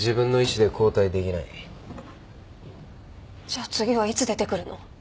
じゃあ次はいつ出てくるの？